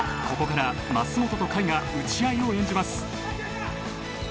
ここから舛元と甲斐が打ち合いを演じます。